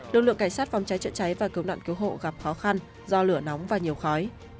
lực lượng cảnh sát phòng cháy chữa cháy và cứu nạn cứu hộ gặp khó khăn do lửa nóng và nhiều khói